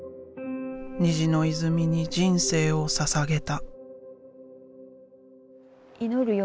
「虹の泉」に人生をささげた。